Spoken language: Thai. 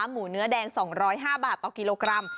หมูเนื้อแดง๒๐๕บาทต่อกิโลกรัม